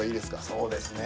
そうですね。